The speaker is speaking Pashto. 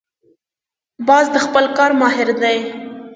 باز د خپل کار ماهر دی